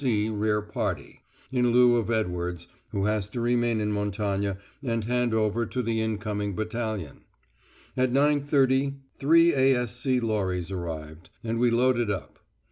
C. rear party, in lieu of Edwards, who has to remain in Montagne and hand over to the incoming battalion. At 9.30 three A.S.C. lorries arrived, and we loaded up.